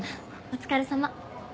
お疲れさま。